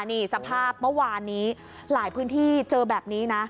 นี่สภาพเมื่อวานนี้หลายพื้นที่เจอแบบนี้นะ